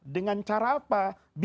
dengan cara apa